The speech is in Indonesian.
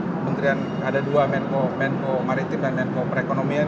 kementerian ada dua menko maritim dan menko perekonomian